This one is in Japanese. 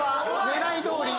狙いどおり。